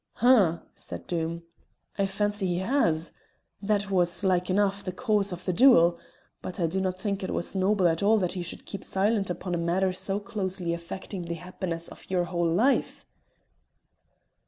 "H'm," said Doom. "I fancy he has. That was, like enough, the cause of the duel. But I do not think it was noble at all that he should keep silent upon a matter so closely affecting the happiness of your whole life."